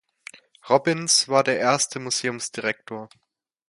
Robbins war der erste Museumsdirektor.